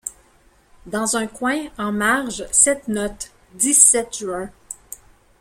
Dans un coin, en marge, cette note: dix-sept juin.